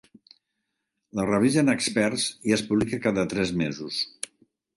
La revisen experts i es publica cada tres mesos.